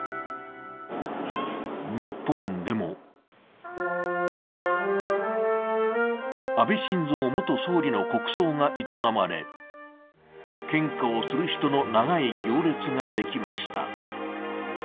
日本でも安倍晋三元総理の国葬が営まれ、献花をする人の長い行列ができました。